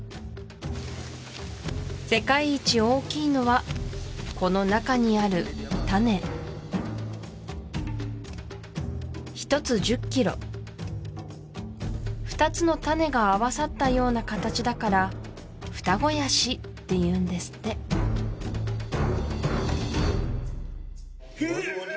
世界一大きいのはこの中にある種１つ１０キロ２つの種が合わさったような形だからフタゴヤシっていうんですってくーっ！